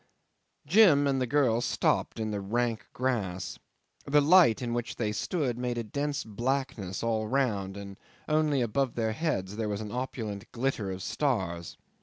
Jim and the girl stopped in the rank grass. The light in which they stood made a dense blackness all round, and only above their heads there was an opulent glitter of stars.